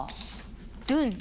ドゥン。